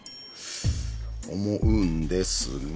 思うんですが。